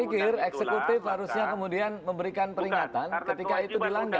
saya pikir eksekutif harusnya kemudian memberikan peringatan ketika itu dilanggar